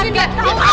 kamu bisa di mana